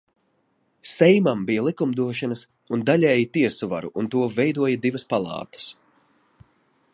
Seimam bija likumdošanas un daļēji tiesu vara, un to veidoja divas palātas.